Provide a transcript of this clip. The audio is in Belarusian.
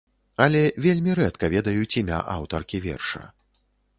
Але вельмі рэдка ведаюць імя аўтаркі верша.